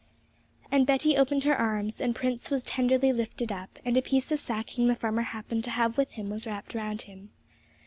And Betty opened her arms, and Prince was tenderly lifted up, and a piece of sacking the farmer happened to have with him was wrapped round him.